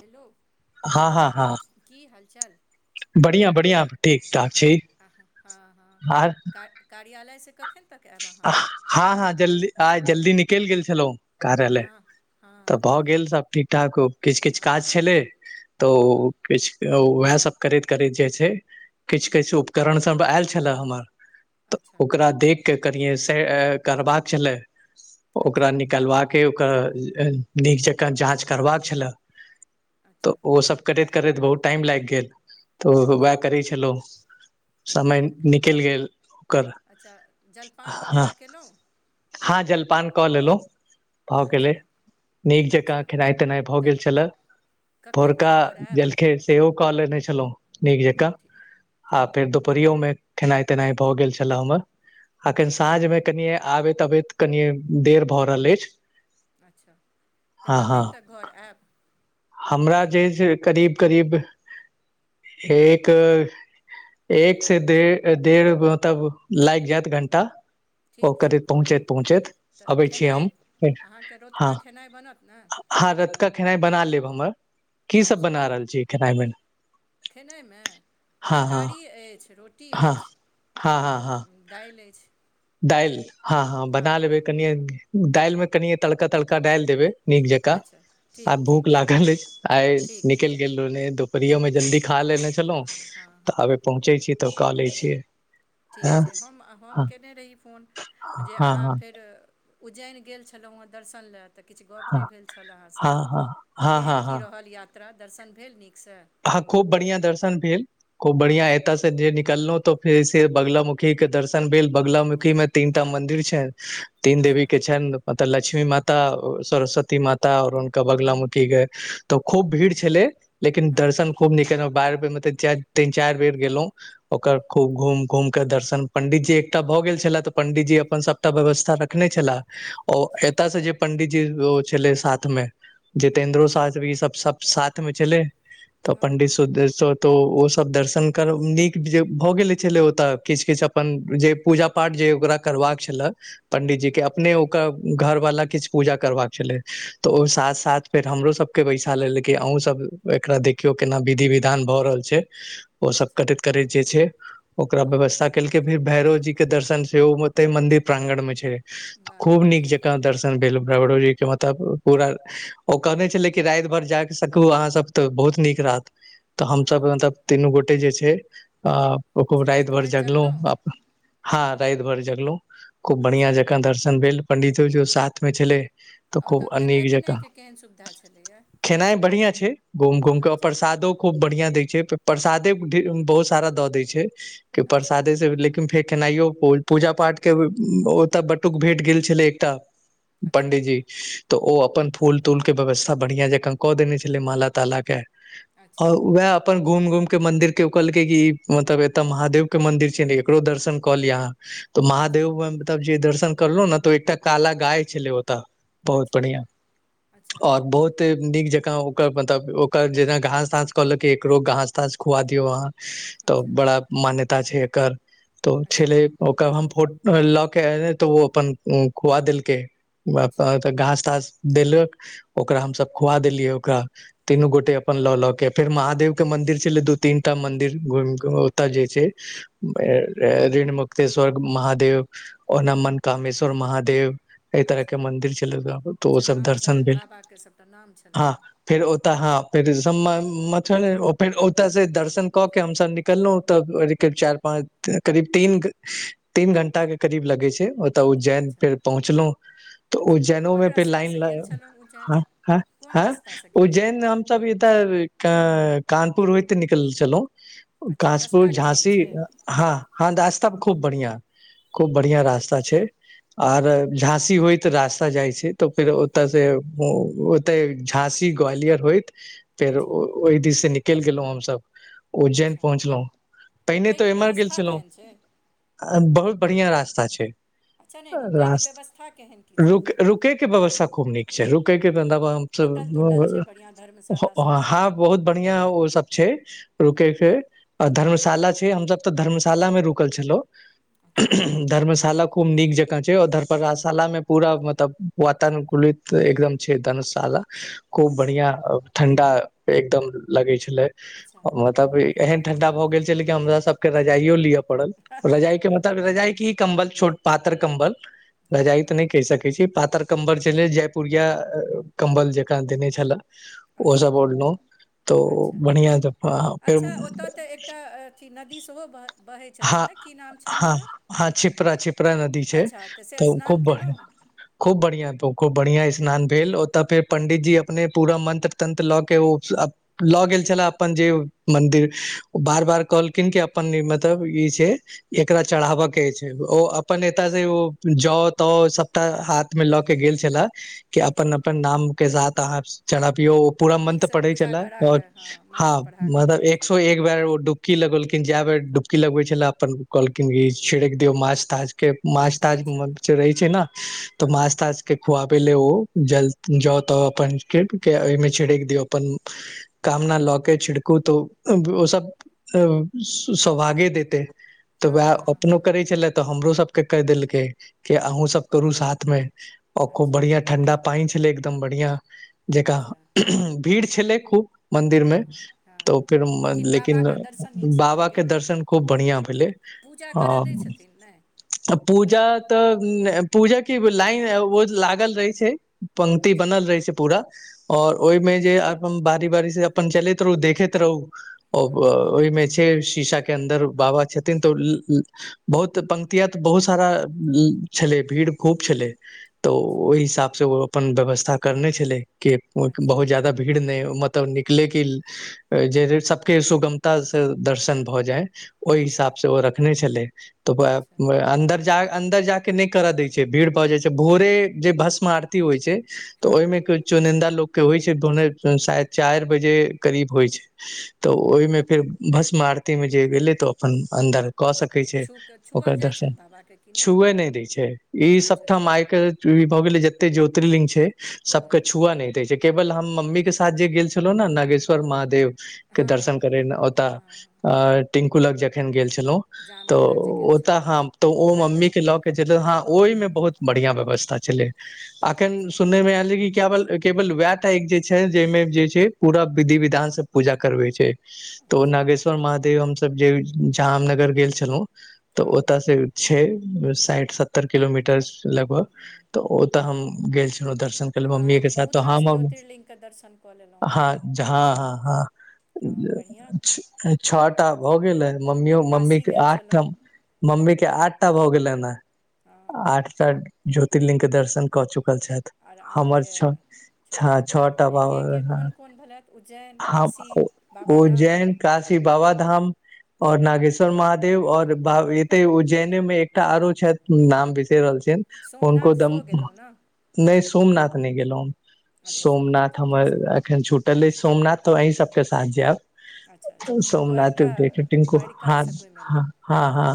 Hello की हालचाल बढ़िआँ बढ़िआँ ठीक ठाक छै [unintelligible] कार्यालय स कखन तक आयब अहाँ हँ हँ जल्दी आइ जल्दी निकैल गेल छलौ कार्यालय हँ हँ तऽ भऽ गेल सभ ठीक ठाक किछ किछ हँ काज छलै तऽ हँ हँ किछ उएह सभ करैत करैत जे छै किछ हँ किछ उपकरण सभ आयल छलए हमर अच्छा तऽ ओकरा देख केँ कनियै से करबाक छलै ओकरा अच्छा निकालबाक केँ ओकर निक जाँच करवा कऽ छलै [inaudible] तऽ अच्छा ओ सब करैत करैत बहुत टाइम लाइग गेल तऽ वैह अच्छा करै छलौ [inaudible] ठीक समय ठीक निकैल गेल ओकर अच्छा जलपान वगैरह केलहुँ [unintelligible] हँ जलपान कऽ लेलो भऽ गेलै अच्छा [inaudible] नीक जकाँ अच्छा खेनाइ तेनाइ भऽ तऽ गेल छलए कखन भोरका तक घर आयब जलखै सेहो कऽ लेने छलौ नीक जकाँ ठीक आ ठीक फेर दुपहरयो में खेनाइ तेनाइ भऽ गेल छलए हमर अखन अच्छा साँझ में कनिये आबैत अबैत कनिय देर भऽ रहल ऐछ अच्छा [inaudible] तऽ कखन तक घर ऐब हमरा जे छै से करीब करीब [inaudible] एक एक से [unintelligible] डढ़ डढ़ मतलब लागि जायत घण्टा। ओ ठीक छै करीब कोनो पहुँचैत बात नहि पहुँचैत तऽ अबै छी खेनाइ हम फेर अहाँके हँ। रतुका खेनाइ बनत ने [unintelligible] हँ रतुका खेनाइ बना लेब हमर की सब बना रहल छी खेनाइ मे खेनाइ में हँ हँ तरकारी ऐछ रोटी हँ ऐछ और दाइल ऐछ दाइल हँ-हँ बना लेबै कनिए दाइल में कनिये तड़का-तड़का डायल देबै। नीक जकाँ अच्छा आ ठीक ठीक भूख ठीक लागल ऐछ आइ ठीक निकल गेल रहलो न दुोपहरयो में जल्दी। खा अच्छा लेने छलौ हँ हँ तऽ हँ आबे पहुँचे छि तब कऽ ले छि। ठीक छै हम हम कयने रही फोन जे हँ अहाँ हँ फेर उज्जैन गेल छलहुँ हेँ दर्शन लए तऽ किछ गप हँ नहि भेल छल अहाँसँ हँ हँ तऽ हँ हँ केहन की हँ रहल यात्रा दर्शन भेल नीकसँ हह खूब बढ़ियां दर्शन भेल खूब बढ़िया ऐता से निकलहु तऽ फेर बंगला मुुखी के दर्शन भेल बगंलामुखी मे तीन टा मदिर छनि तीन देवी अच्छा के छनि ओतऽ लक्ष्मी माता सरस्वती माता आओर हुनका बगंला मुखी त खूब भीड़ छलै लेकिन हँ दर्शन खूब नीक केलौ बारि पर मतलब तीन चारि बेर गेलों ओकर खूब घूम घुम के दर्शन पंडित जी एकटा भए गेल छले त पंडितजी अपन सबटा व्यवस्था रखने छलाे ओ अच्छा एतय से जे पंडित जी ओ छले साथ मे। जितेन्द्रो शास्त्री ई सब सब साथ मे छलै तऽ हँ हँ पंडित सुरेश्वर तऽ ओसभ दर्शन करब नीक जे भऽ गेल छलै ओतऽ किछ-किछ अपन जे पूजा पाठ जे ओकरा करबाक ज वर्णन पंडित हूँ जी के अपने ओकर घर वाला किछु पूजा करबाक छलै तऽ ओ अच्छा साथ-साथ। फेर हमरो सबके बैसा लेल कि अहूँ सब एकरा देखियौ केना विधि-विधान भऽ रहल छै? ओ सब अच्छा करैत करैत जे छै ओकरा हँ हँ व्यवस्था। केलक फिर भैरव जी के दर्शन छै ओे मंदिर प्रांगण में छै वाह खूब नीक बढ़िआँ जका दर्शन। [unintelligible] मतलब पूरा ओ ब्कहने छल राति भर जा सकू अहाँ सब। [unintelligible] तऽ बहुत नीक रहत तऽ हँ हमसभ हँ मतलब तीनू गोटे जे छै अ। [unintelligible] ओ से खूब राति भर भरि जगलौ जगलहुँ अछि। हँ वाह राति भर जगलहुं खूब बढ़िया अच्छा जकाँ दर्शन भेल। पंडित जी साथमे छलै। तऽ आ खूब ओतय खेनाइ अनिक जकाँ पिनाइके केहन सुविधा छलैए खेनाइ बढ़िआ छै। [unintelligible] घूम-घूम के अच्छा प्रसादो खूब बढ़ियां दै छै परसादे बहुत सारा दऽ दै छै। [unintelligible] के अच्छा प्रसादेसँ लेकिन फेकनाइयो। पूजा पाठ के ओतऽ बटुक भेट गेल छलै एकटा अच्छा पंडीजी। तऽ ओ अपन फूल तूल के व्यवस्था बढ़ियां जकाँ कऽ देने छलै माला ताला के। अच्छा आओर वएह। अपन घुम घुम के मंदिर के ओ कहलकै कि मतलब एतय महादेव के मंदिर छै ने एकरो दर्शन कऽ लि अहाँ। तऽ अच्छा महादेव मतलब जे दर्शन करलहु ने तो एकटा काला गाय छलै ओतऽ। बहुत अच्छा बढ़िआ अच्छा आओर बहुत। एते नीक जकांओकर मतलब ओकर जेना घास तास कहल के एकरो घास तास खुवा दियौ अहाँ। तऽ अच्छा बड़ा मान्यता छै एकर तो अच्छा छले। कब हम फोट लऽ के एयल तऽ ओ अपन खुआ देलकै। अच्छा घास तास देलक ओकरा हमसभ खुआ देलियै ओकरा। तीनू गोटे हँ, अपन लऽ- लऽ केँ। फेर महादेव के मंदिर छले दू तीनटा मंदिर घुमिके ओतऽ जे छै। ऋण मुक्तेश्वर महादेव। ओ नमन कामेश्वर महादेव। एहि तरह के अच्छा मंदिर छल तऽ ओ अच्छा सब नाम दर्शन छलनि भेल बाबाके सभटा नाम हँ छलनि फेर। तऽ हँ फेर म फेर ओतऽसँ दर्शन कऽ के हमसब निकलहुँ तऽ चारि। करीब तीन-तीन घंटा के करीब लगै छै। तऽ उज्जैन अच्छा फेर पहुँचलहु तऽ अच्छा उज्जैनो कोन मे फेर लाइन रस्तासँ ल गेल छलहुँ उज्जैन ह ह कोन हँ रस्तासँ गेल उज्जैन हम सब इधर का कानपुर होइत निकल छलहुं अच्छा कासपुर रस्ता केहन झांसी छै हँ हँ दास्तव खूब बढ़िआ खूब बढ़िया रास्ता छै आर झांसी होइत रास्ता जाइ छै तऽ फेर ओतय से ओतय झाँसी ग्वालियर होइत। फेर अच्छा ओ ओहि दिस से निकलि गेलौ हम सब उज्जैन अच्छा पहुँचलौ [inaudible] पहिने तऽ रुकयके एमहर गेल व्यवस्था छलौ केहन छै बहुत बढ़िया रास्ता छै [inaudible] अच्छा नहि रुकयके रास व्यवस्था केहन की [inaudible] छै रुक-रुक। रुक के व्यवस्था खूब नीक छै रुकै के धा। होटल तोटल छै [unintelligible] बढ़िआँ धर्मशालासभ बहुत बढ़िया ओ सब छै रुकै केँ आ धर्मशाला छै हम सभ तऽ धर्मशाला में रुकल छलौ। अच्छा [unintelligible] धर्मशाला खूब नीक जकाँ छै और धर्शालामे पूरा मतलब वातावुकूलित तऽ एकदम छै धर्मशाला खूब अच्छा बढ़िया ठंडा एकदम लगे छले अच्छा मतलब। एहेन ठंडा भऽ गेल छै लेकिन हमरा सब केँ रजायो लिअ पड़ल रजाई केँ मतलब। रजाई की कम्बल छोट पातर कम्बल हँ रजाई तऽ हँ नै कहि सकै छी पातर कम्बर छेले जय पुरिया [unintelligible] कम्बल जेका देने छल ओ सब अच्छा ओढलौउ त ओ अच्छा बढ़िया अच्छा [unintelligible] [unintelligible] नदी सेहो ब हँ हँ हँ छिपरा छिपरा नदी छै अच्छा तऽ से त स्नान खूब बढ़िया केलहुँ खूब बढ़िआँ खूब बढ़िआँ स्नान भेल ओतय फेर पण्डितजी अपने पूरा मन्त्र तन्त्र लऽ केँ ओ लऽ गेल छलाह अपन जे मन्दिर ओ बार बार कहलखिन कि अपन निरमत। तब ई छै एकरा चढ़ाबय केँ छै ओ अपन एता से ओ जाउ तऽ सबटा हाथ। में लऽ केँ गेल छला कि अपन अच्छा अपन नाम केँ साथ अहाँ चढ़बियो पूरा मंत्र नीकसँ पढ़ै पूजा करा छलाह कऽ अछ हँ मन्त्र पढ़ा कऽ मतलब पूज एक सौ एक बैर डुब की लगलखिन जाय बेर डुबकी लगबै छेला अपन कहलखिन इ छिड़क दियौ माछ ताछ। केँ माछ ताछ अच्छा मन किछ रहै छै ने तऽ हँ माछ ताछ केँ खुआबे ले ओ जल जाउ तऽ अपन किन केँ ओइमें छिड़क दियऔ अपन कामना लऽ के छिड़कू त ओ सब [unintelligible] सौेभागे देतइ हँ हँ तऽवैह हँ अपनो हँ करै छलैथ। तऽ हमरो सब कऽ कहि देलकै की अहुँ अच्छा सब करु साथ में खुब अच्छा बढ़िया ठंडा त। पाइन छलै एकदम बढ़िया जेका अच्छा [unintelligible] भीड़ छलै खूब मन्दिर मे हँ हँ हँ तऽ हँ फिर [unintelligible] लेकिन बाबाके दर्शन नीकसँ भऽ बाबा केँ गेल दर्शन खूब बढ़िया भेलै पूजा [inaudible] करय है। दै छथिन नै पूजा तऽ नै पूजा केँ एगो लाइन ओ लागल रहे छै पंक्ति अच्छा बनल रहै छै पूरा। और ओइमें जे अपन बारी बारी से अपन चलैत रहु देखैत रहु [unintelligible] ओ हँ ओइमे छै शीशा केँ अन्दर बाबा छथिन तऽ [unintelligible] बहुत पंक्तिया तऽ बहुत सारा छलै भीड़ खूब छलै। तऽ अच्छा ओइ हिसाब से ओ अपन व्यवस्था करने छले कि अच्छा बहुत ज़्यादा। भीड़ नहि ओ मतलब निकलेके जे सब केँ सुगमता स दर्शन भ जाय ओइ हिसाब अच्छा स ओ रखने छेलइ अच्छा अन्दर जा अन्दर जा क‌ केँ नै कर दै छै भीड़ भऽ जाइ छै भोरे जे भस्म आरती होइ छै तऽ हँ ओइमे चुनिन्दा लोक केँ होइ तोने शायद चाइ बजे करीब होइ छैय तऽ हँ ओइमे फेर भस्म आरती में जे ऐलै तऽ अपन अन्दर कऽ सकै छै छू कऽ छुअल ओकर जाइ छनि दर्शन बाबाके कि छुए नहि दै छै अच्छा छुअल भऽ गेले जते ज्योतिर्लिंग छै सबके हँ छुआ नहि दै छै केवल हम मम्मी के साथ जे गेल छलहु न नागेश्वर महादेव के हँ हँ दर्शन हँ करे हँ ल ओतऽ हँ अ टिंकू लग जखन गेल छलौं तऽ जामनगर जे गेल ओता छलहुँ ह तऽ ओ मम्मी द्वारिका के लऽ के जे ह ओहिमे बहुत बढ़िया व्यवस्था छलै अखन अच्छा सुनने मे आयल अय की केवल केवल वेह टा एक जे छै जेहिमें जे छै पूरा विधि विधान से पूजा करवै छै तऽ ओ अच्छा नागेश्वर महादेव हमसबजे -जामनगर गेल छलहुँ तऽ हँ ओतऽ हँ से छै साठि सत्तर किलोमीटर लगभग तऽ ओतऽ हम गेल छी दर्शन क तऽ लेलउ अहाँ मम्मीज के तऽ साथ बहुत ह रास ह ज्योतिर्लिङ्गके दर्शन कऽ लेलहुँ हँ ह ह हँ बढ़िआँ छओटा भ गेलै मम्मियो मम्मी काशी के गेल आठ छलहुँ ठाम मम्मी के आठ टा भऽ गेलै हन हँ आठ टा ज्योतिर्लिंग के दर्शन कऽ चुकल छथि आर हमर अहाँके छ छ टा छओ एके के बाबा कोन कोन भेलथि उज्जैन हम काशी बाबा धाम काशी बाबाधाम आओर नागेश्वर महादेव आओर बाह एते उज्जैने मे एकटा आरो छथि नाम बिसर रहल छियैन सोमनाथ उनको दम सेहो गेलहुँ ने नहि सोमनाथ नहि गेलौ अच्छा सोमनाथ नहि जा हमर सकलहुँ अखन छुटल अछि सोमनाथ तो अही सबके साथ जायब अच्छा अच्छा आ सोमनाथ द्वारिका देख छै टिन्कु हँ द्वारिकासँ घुमि अयलहुँ हँ हँ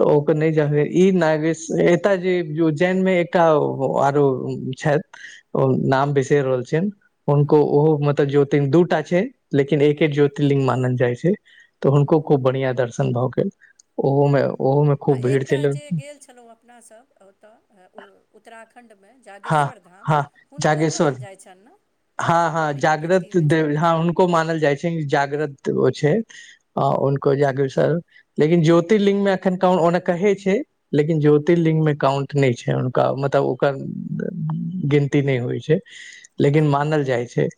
तऽ ओकर नहि ज ई नागेश्र यएत जे उज्जैन मे एकटा अओ आरो छथि ओ नाम बिसैर रहल छिए हुनको ओहो मतलब ज्योतिलिंग दू टा छै लेकिन एक एक ज्योतिर्लिंग मानल जाइ छै तऽ हनको खूब बढ़िआ दर्शन भऽ गेल ओहोमे ओहोमे आ एकटा जे गेल छलहुँ अपनासभ ओतय अ उत्तराखण्ड खण्डमे हँ जाागेश्वर धाम हँ हुनको जागेश्वर कहल जाइ छनि न हँ हँ जागृत देव धाम हँ हुनको मानल जाइ छै जागृत ओ छै आ हुनको जागृ सर लेकिन ज्योतिर्लिंग मे एखन कन ओना कहै छै लेकिन ज्योतिर्लिंग मे काउंट नहि छै हुनका मतलब ओकर गिनती नहि होइ छै लेकिन अच्छा मानल जाइ छै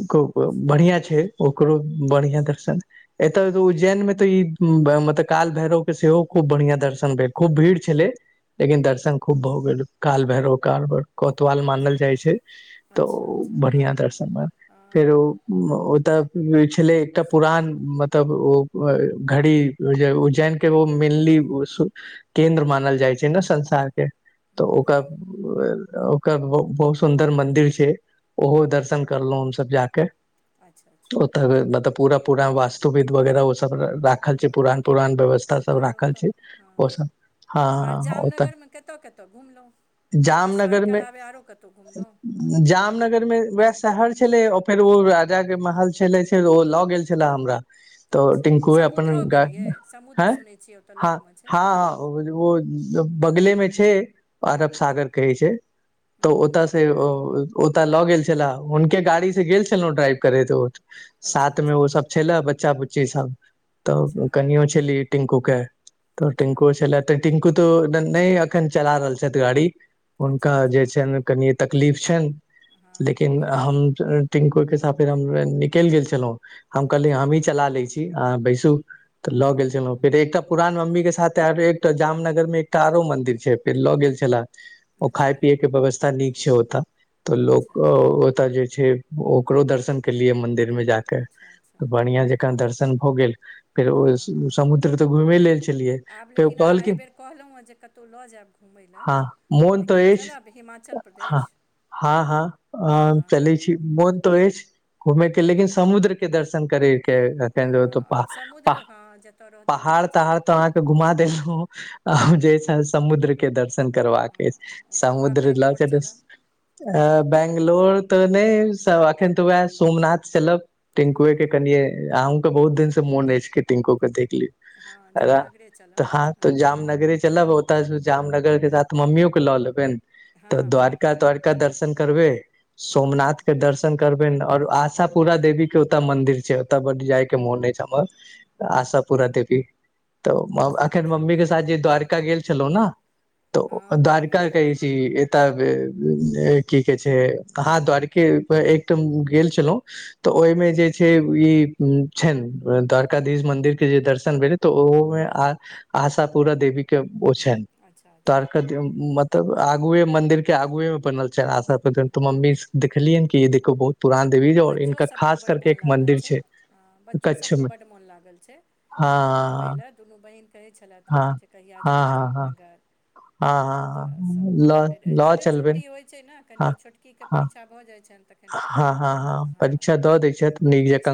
अक्क अच्छा अच्छा बढ़िआं छै ओकरो हूँ बढ़िआं दर्शन एतऽ उज्जैन मे तऽ ई मतलब काल भैरव के सेहो खूब बढ़िआं दर्शन भेल खूब भीड़ छलै लेकिन हूँ दर्शन खूब भऽ गेल काल भैरो कार पर कोतवाल अच्छा मानल जाइ छै तऽ अच्छा उ अच्छा बढ़िया आर दर्शन मान फेर हँ उ उ ओतऽ होइ छलै एकटा चलू पुरान मत तब ओ घ घड़ी उज्जैन के ओ मिल्ली ब सु केन्द्र मानल जाइ छै न संसार के तऽ हूँ ओकर हूँ भेल ओकर ब बहुत सुन्दर मंदिर छै ओहो हूँ दर्शन हूँ करलहुं हमसब जाके अच्छा अच्छा ओ त मतलब पूरा पूरा वास्तुविद वगैरह ओ सब राख खल छु पुरान पुरान व्यवस्था सब आर राखल ओतय छै ओ हँ सब हँ ओ तऽ कतऽ कत घुमलहुँ तीर्थ स्थानके मे अलावे आओरो कतहु घुमलहुँ जामनगर मे वएह शहर छले फेर ओ राजा के महल छले फेर ओ लऽ गेल छल हमरा तऽ अच्छा टिनकुए अपन समुद्रो गा आयं गेलियै समुद्र हँ सुनै छियै ओतय हँ लगमे छै हँ ओ ज बगले मे छै अरब सागर कहै छै तऽ हूँ ओतय हूँ से ओतय लऽ गेल छले हुनके गाड़ी स गेल छलहुं ड्राइव करैत अच्छा साथ में ओ अच्छा सब छले बच्चा बुच्ची सब अच्छा तऽ कनियो छली टिंकू केँ तऽ अच्छा टिंकु छले टिंकू तो नै अखन चला रहल छैथ गाड़ी अच्छा हुनका अच्छा जे छैन कनिए तकलीफ छैन हँ [inaudible] हँ लेकिन पीठमे हम टिंकू केँ साथ फेर हम निकाइल गेल छलौ हम कहलिय अच्छा हमही चला ले छी आहा बैसू तऽ हँ लऽ गेल छलौ हँ फेर एकटा पुरान मम्मी केँ साथ एक तऽ जामनगर में एकटा आरो मंदिर छै फेर लऽ गेल छलै ओ खाय अच्छा पियए केँ व्यवस्था नीक छै ओत तऽ अच्छा लोक अच्छा ओत जे छैय ओकरो दर्शन केलियै मंदिर में जा कऽ अच्छा अच्छा बढ़िया जेका कऽ दर्शन भऽ गेल। फेर ओ हँ हँ समुद्र तऽ घुमे लेल छलियै आब फेर ओ लेकिन अहाँ कहलकिन [inaudible] एहिबेर कहलहुँ हेँ जे कतहु लऽ जायब घूमय लए ह मोन की तऽ ऐछ चलब हिमाचल हऽ प्रदेश हऽ हऽ हँ चलि मोन तऽ ऐछ घुमे केँ लेकिन समुद्र केँ दर्शन करेय। केँ तखन हँ ओतय पा आब [unintelligible] पा समुद्र हँ जतय रहतै पहाड़ ओतहि तहाड़ चलब तऽ अहाँ तऽ घुमा देलौ आ हँ जेस समुद्र केँ दर्शन करबाका ऐछ हँ गोवा समुद्र लऽ बेंगलोर चलू चलब [inaudible] अ बंगलोर तऽ नै स अखन तऽ वैह सोमनाथ चलब हँ टिन्कुए केँ हँ कनिये अहूँकेँ बहुत दिन से मोन ऐछ कि टिन्कु केँ देख ली हँ जामनगरे चलब [unintelligible] तऽ हँ जामनगरे चलब ओ तऽ जामनगर केँ साथ मम्मीयो कऽ लऽ लेबैन तऽ हँ हँ द्वारका द्वारका दर्शन करबे हँ सोमनाथ हँ केँ दर्शन करबे पेन और आशा पूरा देवी केँ ओतय मंदिर छैय ओतय बड जाय केँ मोने ऐछ हमर आशापुरादेवी तऽ अच्छा अखन अच्छा मम्मी कऽ साथ जे द्वारिका गेल छलै न तऽ हँ हँ द्वारिका कहे छी एतय की [unintelligible] कहेय छैय अहा द्वारिक एकठाम गेल छलै तऽ ओइमें जे छैव इ छैन द्वारकाधीश मन्दिर केँ जे दर्शन भेलैय तऽ ओहोमे आ आशापुरादेवी केँ ओ छैन अच्छा [inaudible] अच्छा द्वारका कऽ मतलब आगुए मंन्दिर केँ आगुए बनल छैय हूँ आशापुरा तऽ मम्मी देखलियैन कि देखु बहुत पुरान हु देवी छै और बच्चो इनका सब कऽ खास बड करके गेन एक लागल मंदिर छैय छै ह बच्चो कच्छ सब कऽ मे बड मोन लागल छैय। हँ घुमै लऽ दुनु बहीन कहैय छलैथ हँ ह जे कहिआ हँ जैब हँ हँ हँ जामनगर तऽ हँ सबकोइ लऽ फेर लऽ कनियो चलबनि छुट्टी होइ छैय न हँ कनि छोटकी कऽ परीक्षा परीक्षा भऽ जाइ छन तखन हऽ हऽ हऽ हँ परीक्षा दऽ दैय छैथ नीक बनबै जका छी